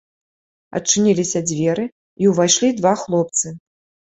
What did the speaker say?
Адчыніліся дзверы, і ўвайшлі два хлопцы.